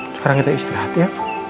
sekarang kita istirahat ya